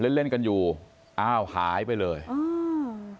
เล่นเล่นกันอยู่อ้าวหายไปเลยอืม